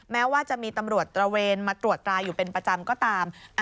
แม้ว่าจะมีตำรวจตระเวนมาตรวจตราอยู่เป็นประจำก็ตาม